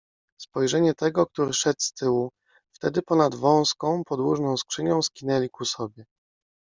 spojrzenie tego, który szedł z tyłu. Wtedy ponad wąską, podłużną skrzynią skinęli ku sobie